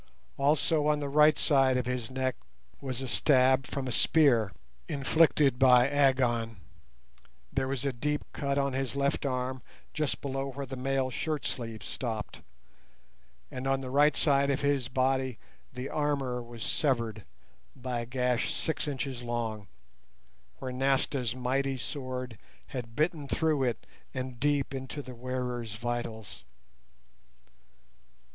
Also on the right side of his neck was a stab from a spear, inflicted by Agon; there was a deep cut on his left arm just below where the mail shirt sleeve stopped, and on the right side of his body the armour was severed by a gash six inches long, where Nasta's mighty sword had bitten through it and deep into its wearer's vitals.